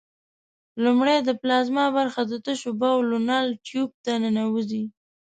لومړی د پلازما برخه د تشو بولو نل ټیوب ته ننوزي.